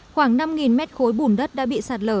khoảng năm mét khối bùn đất đã bị sạt lở